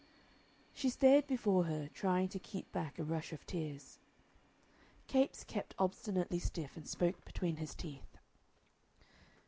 She stared before her, trying to keep back a rush of tears. Capes kept obstinately stiff, and spoke between his teeth.